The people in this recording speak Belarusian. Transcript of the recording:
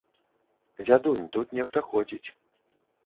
Дзядунь, тут нехта ходзіць.